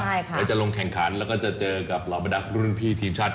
แล้วจะลงแข่งขันแล้วก็จะเจอกับเหล่าบรรดารุ่นพี่ทีมชาติ